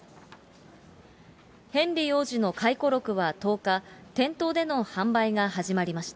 ヘンリー王子の回顧録は１０日、店頭での販売が始まりました。